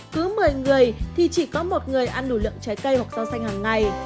cứ một mươi người thì chỉ có một người ăn đủ lượng trái cây hoặc rau xanh hàng ngày